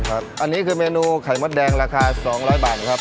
อันนี้คือเมนูไข่มดแดงราคา๒๐๐บาทครับ